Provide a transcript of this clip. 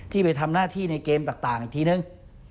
ไปทำหน้าที่ในเกมต่างอีกทีนึง